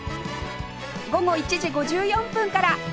午後１時５４分から